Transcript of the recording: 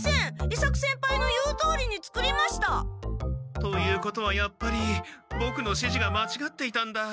伊作先輩の言うとおりに作りました！ということはやっぱりボクのしじがまちがっていたんだ。